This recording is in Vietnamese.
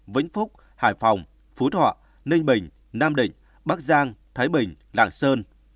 vĩnh phúc hải phòng phú thọ ninh bình nam định bắc giang thái bình lạng sơn